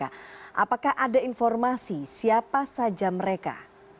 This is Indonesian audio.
apakah ada informasi siapa saja mereka